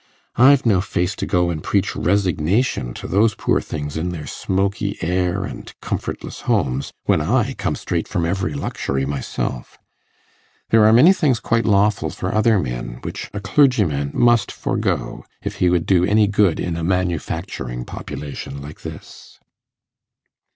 I've no face to go and preach resignation to those poor things in their smoky air and comfortless homes, when I come straight from every luxury myself. There are many things quite lawful for other men, which a clergyman must forego if he would do any good in a manufacturing population like this.